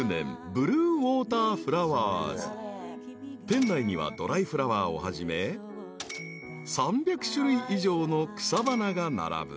［店内にはドライフラワーをはじめ３００種類以上の草花が並ぶ］